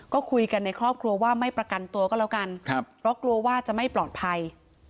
ก็คุยกันในครอบครัวว่าไม่ประกันตัวก็แล้วกันเพราะกลัวว่าจะไม่ปลอดภัย